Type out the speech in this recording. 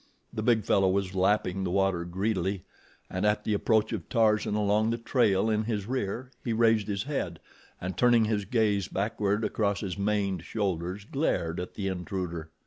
The big fellow was lapping the water greedily, and at the approach of Tarzan along the trail in his rear, he raised his head, and turning his gaze backward across his maned shoulders glared at the intruder.